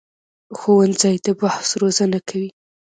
ښوونځی د بحث روزنه کوي